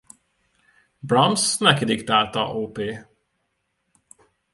Brahms neki dedikálta op.